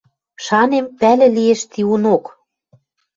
Шанем, пӓлӹ лиэш тиунок.